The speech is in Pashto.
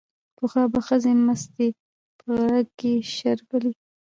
پخوا به ښځو مستې په غړګ کې شربلې